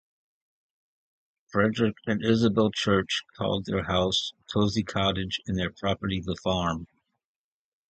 Frederic and Isabel Church called their house "Cosy Cottage" and their property "the Farm".